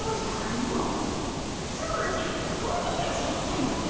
そうじゃ子鬼たちが来たのじゃ。